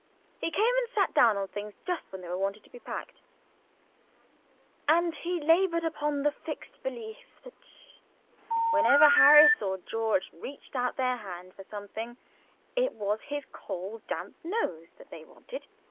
He came and sat down on things, just when they were wanted to be packed; and he laboured under the fixed belief that, whenever Harris or George reached out their hand for anything, it was his cold, damp nose that they wanted.